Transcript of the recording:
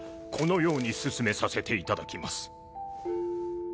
このように進めさせていただきます。